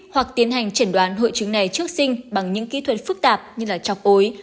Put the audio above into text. hoặc tiến hành triển đoán hội chứng này trước sinh bằng những kỹ thuật phức tạp như chọc ối